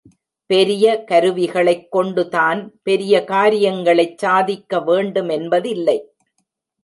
பெரிய கருவிகளைக் கொண்டுதான் பெரிய காரியங்களைச் சாதிக்க வேண்டுமென்பதில்லை.